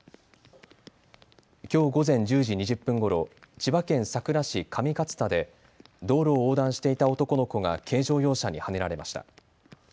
きょう午前１０時２０分ごろ千葉県佐倉市上勝田で道路を横断していた男の子が軽乗用車にはねられました。